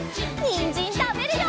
にんじんたべるよ！